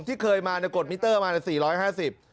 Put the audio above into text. ที่เคยมาในกฎมิเตอร์มาใน๔๕๐